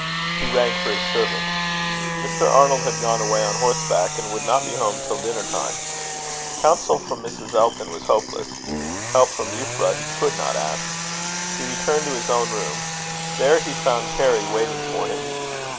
He rang for his servant. Mr. Arnold had gone away on horseback, and would not be home till dinner time. Counsel from Mrs. Elton was hopeless. Help from Euphra he could not ask. He returned to his own room. There he found Harry waiting for him.